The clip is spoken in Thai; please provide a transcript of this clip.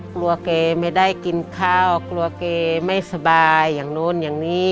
กลัวแกไม่ได้กินข้าวกลัวแกไม่สบายอย่างนู้นอย่างนี้